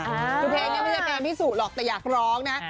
คือเพลงยังไม่ใช่เพลงพี่สุหรอกแต่อยากร้องนะ